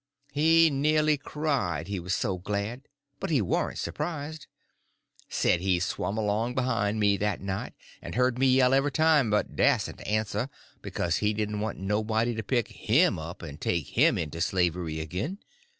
He nearly cried he was so glad, but he warn't surprised. Said he swum along behind me that night, and heard me yell every time, but dasn't answer, because he didn't want nobody to pick him up and take him into slavery again.